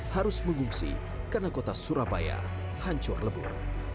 harus mengungsi karena kota surabaya hancur lebur